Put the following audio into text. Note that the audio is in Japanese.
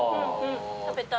食べたい。